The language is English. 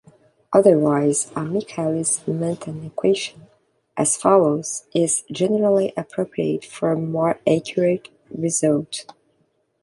Otherwise a Michaelis-Menten equation, as follows, is generally appropriate for a more accurate result.